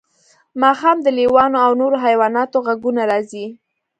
ماښام د لیوانو او نورو حیواناتو غږونه راځي